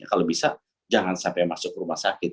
kalau bisa jangan sampai masuk rumah sakit